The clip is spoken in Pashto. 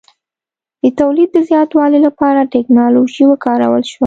د تولید د زیاتوالي لپاره ټکنالوژي وکارول شوه.